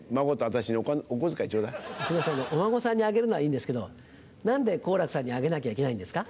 あのお孫さんにあげるのはいいんですけど何で好楽さんにあげなきゃいけないんですか？